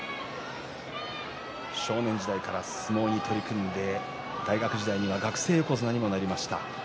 少年時代から相撲に取り組んで大学時代には学生横綱にもなりました。